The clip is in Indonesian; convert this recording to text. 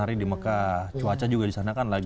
hari di mekah cuaca juga di sana kan lagi